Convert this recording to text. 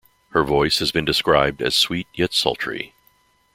Her voice has been described as sweet yet sultry.